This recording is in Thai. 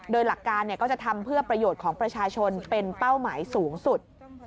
โดยหลักการก็จะทำเพื่อประโยชน์ของประชาชนเป็นเป้าหมายสูงสุด